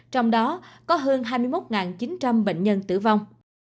trong đó có hơn hai mươi một chín trăm linh bệnh nhân tử vong